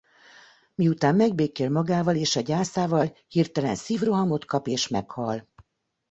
Miután megbékél magával és a gyászával hirtelen szívrohamot kap és meghal.